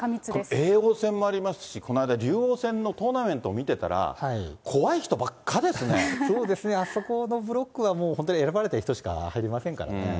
叡王戦もありますし、この間、竜王戦のトーナメントを見てたら、そうですね、あそこのブロックは、もう本当に選ばれた人しか入りませんからね。